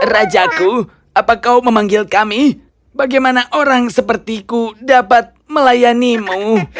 rajaku apa kau memanggil kami bagaimana orang sepertiku dapat melayanimu